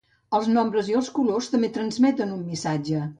Els nombres i els colors també transmeten un missatge.